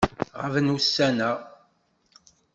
Ɣaben ussan-a.